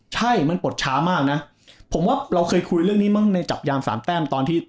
ใช่มันปลดช้ามากนะผมว่าเราเคยคุยเรื่องนี้มั้งในจับยามสามแต้มตอนที่